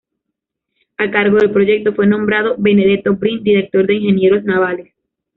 A cargo del proyecto fue nombrado Benedetto Brin, director de ingenieros navales.